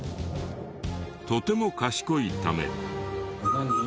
とても賢いため。